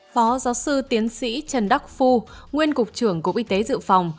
phó giáo sư tiến sĩ trần đắc phu nguyên cục trưởng cục y tế dự phòng